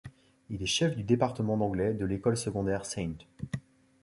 Il est chef du département d’anglais de l'école secondaire St.